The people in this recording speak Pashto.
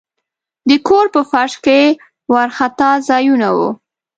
د کور په فرش کې وارخطا ځایونه وو.